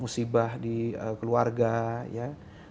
musibah di keluarga ya